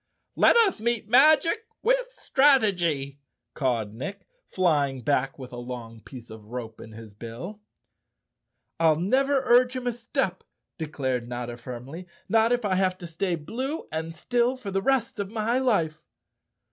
"Let us meet magic with strategy," cawed Nick, fly¬ ing back with a long piece of rope in his bill. "I'll never urge him a step," declared Notta firmly. "Not if I have to stay blue and still for the rest of my life."